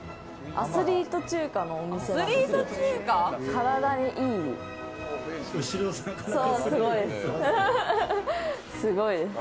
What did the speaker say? アスリート中華のお店なんですよ。